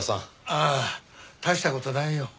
ああ大した事ないよ。